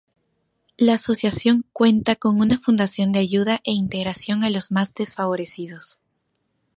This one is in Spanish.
La asociación cuenta con una fundación de ayuda e integración a los más desfavorecidos.